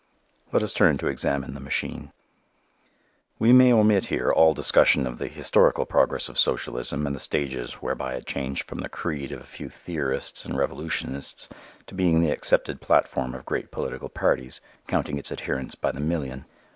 Let us turn to examine the machine. We may omit here all discussion of the historical progress of socialism and the stages whereby it changed from the creed of a few theorists and revolutionists to being the accepted platform of great political parties, counting its adherents by the million.